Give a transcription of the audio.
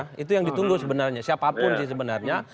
nah itu yang ditunggu sebenarnya siapapun sih sebenarnya